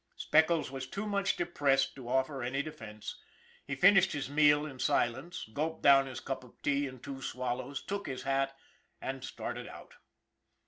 Speckles was too much depressed to offer any defense. He finished his meal in silence, gulped down his cup of tea in two swallows, took his hat, and started out.